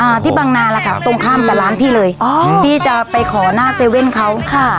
ที่บังนาล่ะค่ะตรงข้ามกับร้านพี่เลยอ๋อพี่จะไปขอหน้าเซเว่นเขาค่ะ